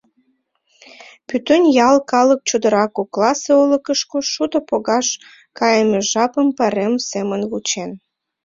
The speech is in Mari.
Пӱтынь ял калык чодыра кокласе олыкышко шудо погаш кайыме жапым пайрем семын вучен.